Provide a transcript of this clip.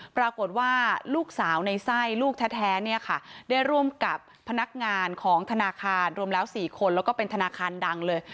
ปรากฏว่าลูกสาวในไส้ลูกแท้เนี่ยค่ะได้ร่วมกับพนักงานของธนาคารรวมแล้ว๔คนแล้วก็เป็นธนาคารดังเลย